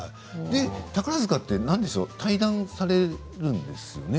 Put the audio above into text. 宝塚って退団されるんですよね。